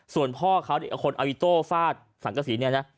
ส่วนพ่อเขาเอาคนเอาอิโต้ฟาดสังกษีเนี่ยนะ